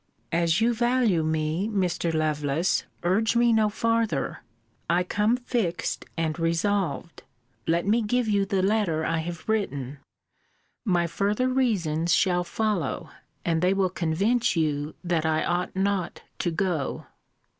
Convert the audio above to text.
As you value me, Mr. Lovelace, urge me no farther. I come fixed and resolved. Let me give you the letter I have written. My further reasons shall follow; and they will convince you that I ought not to go.